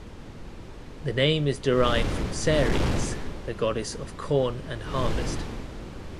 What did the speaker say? The name is derived from Ceres, the goddess of corn and harvest.